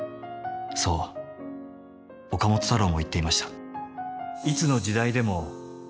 そう岡本太郎も言っていました。